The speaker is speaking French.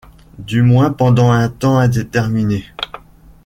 Du moins pendant un temps indéterminé.